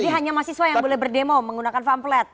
jadi hanya mahasiswa yang boleh berdemo menggunakan pamflet